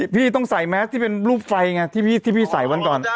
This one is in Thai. พี่ต้องใส่แมสที่เป็นรูปไฟไงที่พี่ใส่วันก่อน